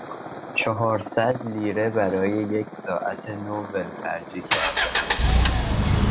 چهار صد لیره برای یک ساعت نو ولخرجی کردم.